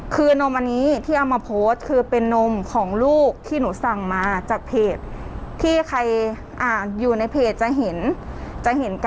คือนมอันนี้ที่เอามาโพสต์คือเป็นนมของลูกที่หนูสั่งมาจากเพจที่ใครอ่านอยู่ในเพจจะเห็นจะเห็น